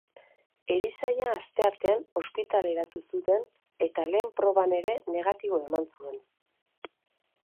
Erizaina asteartean ospitaleratu zuten eta lehen proban ere negatibo eman zuen.